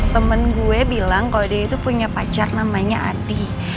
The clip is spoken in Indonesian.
temen gue bilang kalau dia itu punya pacar namanya adi